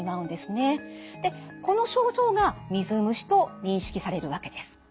この症状が水虫と認識されるわけです。